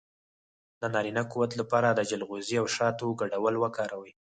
د نارینه قوت لپاره د چلغوزي او شاتو ګډول وکاروئ